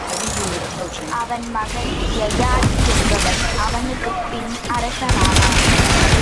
அவன் மகன் யயாதி என்பவன் அவனுக்குப்பின் அரசனானான்.